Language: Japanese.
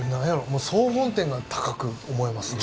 もう総本店が高く思えますね。